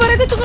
pak rt tunggu